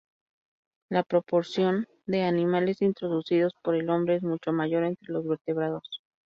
La proporción de animales introducidos por el hombre es mucho mayor entre los vertebrados.